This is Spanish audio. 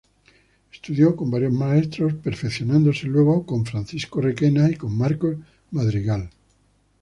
Estudio con varios maestros, perfeccionándose luego con Francisco Requena y con Marcos Madrigal.